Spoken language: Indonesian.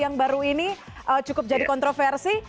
yang baru ini cukup jadi kontroversi